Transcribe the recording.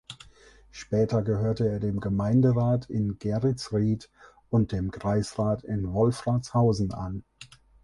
Später gehörte er dem Gemeinderat in Geretsried und dem Kreisrat in Wolfratshausen an.